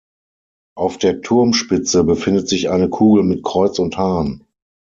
Auf der Turmspitze befindet sich eine Kugel mit Kreuz und Hahn.